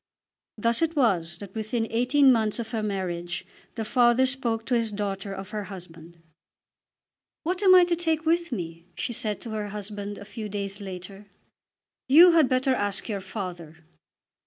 Thus it was that within eighteen months of her marriage the father spoke to his daughter of her husband. "What am I to take with me?" she said to her husband a few days later. "You had better ask your father."